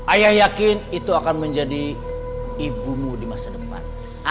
ayah yakin itu akan menjadi ibumu di masa depan